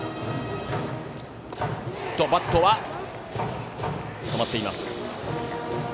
バットは止まっています。